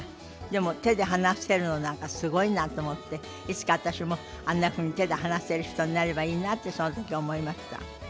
でも手で話せるのなんかすごいなと思っていつか私もあんなふうに手で話せる人になればいいなとその時思いました。